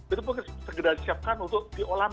itu mungkin segera disiapkan untuk diolam